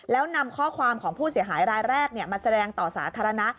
แล้วนำข้อความของผู้เสียหายรายแรกมาแสดงต่อสาธารณะ